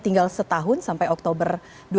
tinggal setahun sampai oktober